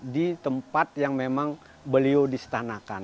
di tempat yang memang beliau distanakan